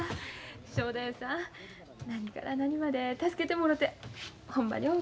正太夫さん何から何まで助けてもろてほんまにおおきに。